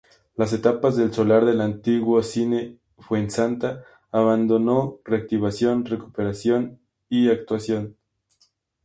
Las etapas del solar del antiguo cine Fuensanta: abandono, reactivación, recuperación y continuación.